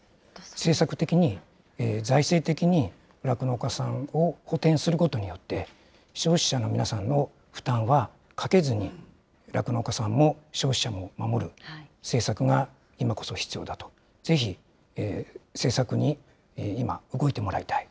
政策的に、財政的に、酪農家さんを補填することによって、消費者の皆さんの負担はかけずに、酪農家さんも消費者も守る政策が今こそ必要だと、ぜひ、政策に今、動いてもらいたい。